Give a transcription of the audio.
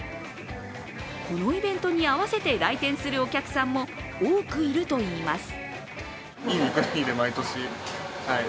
このイベントに合わせて来店するお客さんも多くいるといいます。